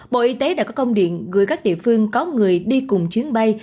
bộ y tế đã có công điện gửi các địa phương có người đi cùng chuyến bay